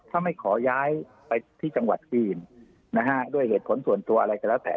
ถ้าไม่ขอย้ายไปที่จังหวัดอื่นนะฮะด้วยเหตุผลส่วนตัวอะไรก็แล้วแต่